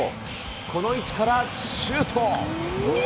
この位置からシュート。